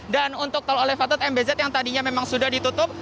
dan untuk tol olifatat mbz yang tadinya memang sudah ditutup